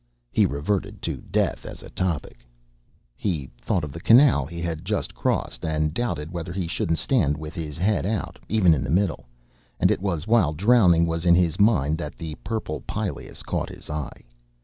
He reverted to death as a topic. He thought of the canal he had just crossed, and doubted whether he shouldn't stand with his head out, even in the middle, and it was while drowning was in his mind that the purple pileus caught his eye.